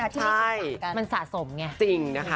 มีปัญหาหลายคู่นะที่ไม่เคยพูดกัน